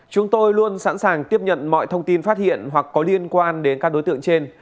chúng tôi luôn sẵn sàng tiếp nhận mọi thông tin phát hiện hoặc có liên quan đến các đối tượng trên